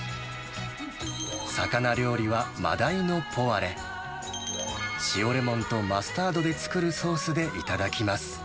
魚料理はマダイのポワレ、塩レモンとマスタードで作るソースで頂きます。